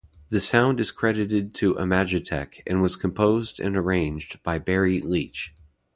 The sound is credited to Imagitec, and was composed and arranged by Barry Leitch.